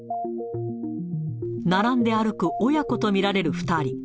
並んで歩く親子と見られる２人。